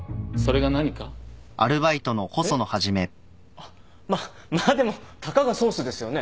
あっまあまあでもたかがソースですよね？